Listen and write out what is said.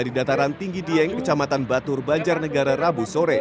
di dataran tinggi dieng kecamatan batur banjarnegara rabu sore